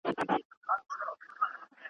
څرخ یې وخوړ او کږه سوه ناببره.